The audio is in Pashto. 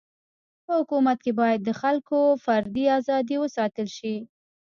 په حکومت کي باید د خلکو فردي ازادي و ساتل سي.